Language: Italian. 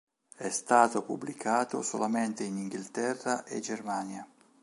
È stato pubblicato solamente in Inghilterra e Germania